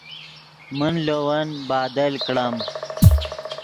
من لے ون بادل کڑم